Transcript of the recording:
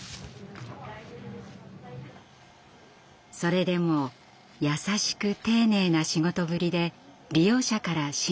それでも優しく丁寧な仕事ぶりで利用者から信頼されています。